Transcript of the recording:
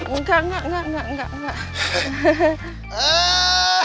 enggak enggak enggak enggak